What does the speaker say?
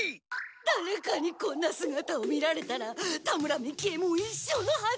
だれかにこんなすがたを見られたら田村三木ヱ門一生のはじだ。